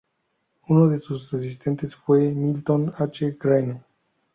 Uno de sus asistentes fue Milton H. Greene.